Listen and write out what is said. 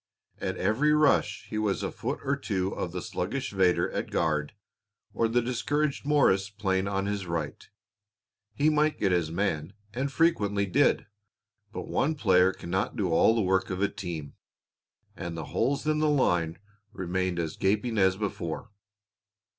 At every rush he was a foot or two ahead of the sluggish Vedder at guard or the discouraged Morris playing on his right. He might get his man and frequently did, but one player cannot do all the work of a team, and the holes in the line remained as gaping as before.